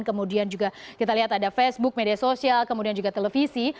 kemudian juga kita lihat ada facebook media sosial kemudian juga televisi